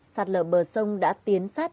sạt lở bờ sông đã tiến sát